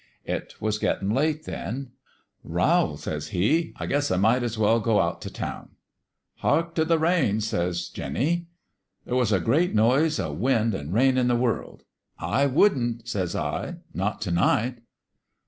" It was gettin' late, then. "' Rowl,' says he, ' I guess I might as well go out t' town/ "' Hark t' the rain !' says Jinny. "There was a great noise o' wind an' rain in the world. ' I wouldn't, 1 says I ;' not t' night.'